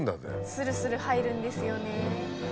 スルスル入るんですよね。